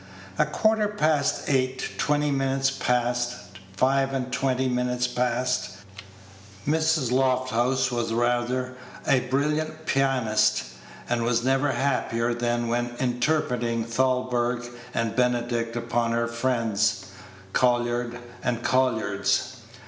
A quarter past eight; twenty minutes past; five and twenty minutes past. Mrs. Lofthouse was rather a brilliant pianist, and was never happier than when interpreting Thalberg and Benedict upon her friends' Collard and Collards.